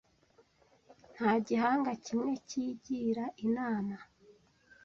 nta gihanga kimwe kigira inama;